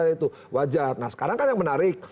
itu wajar nah sekarang kan yang menarik